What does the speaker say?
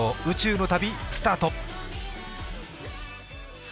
宇宙の旅、スタート。